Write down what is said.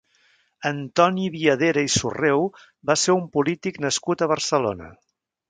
Antoni Viadera i Surreu va ser un polític nascut a Barcelona.